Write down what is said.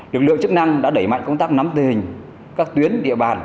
lực lượng chức năng đã đẩy mạnh công tác nắm tình hình các tuyến địa bàn